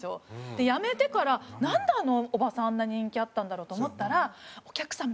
で辞めてからなんであのおばさんあんな人気あったんだろう？と思ったらお客さん